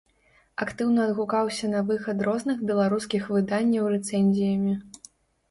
Актыўна адгукаўся на выхад розных беларускіх выданняў рэцэнзіямі.